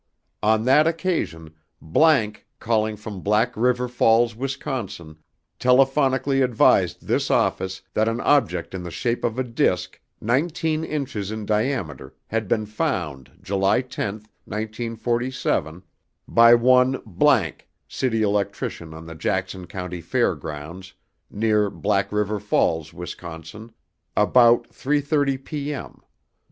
On that occasion ____ calling from Black River Falls, Wisconsin, telephonically advised this office that an object in the shape of a disc, nineteen inches in diameter had been found July 10, 1947, by one ____ city electrician on the Jackson County fairgrounds, near Black River Falls, Wisconsin, about 3:30 p.m.